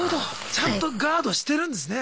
ちゃんとガードしてるんですね。